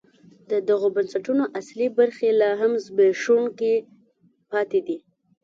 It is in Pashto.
د دغو بنسټونو اصلي برخې لا هم زبېښونکي پاتې دي.